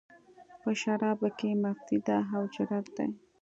په شرابو کې مستي ده، او جرت دی